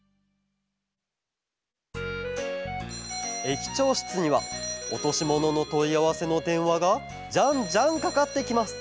駅長しつにはおとしもののといあわせのでんわがじゃんじゃんかかってきます